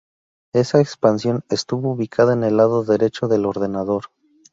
Esa expansión estuvo ubicada en el lado derecho del ordenador.